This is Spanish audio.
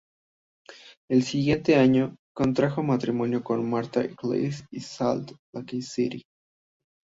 El siguiente año contrajo matrimonio con Martha Eccles en Salt Lake City.